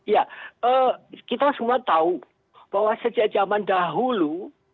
ya kita semua tahu bahwa sejak zaman dahulu